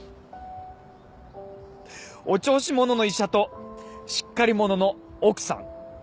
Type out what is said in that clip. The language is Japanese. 「お調子者の医者としっかり者の奥さん」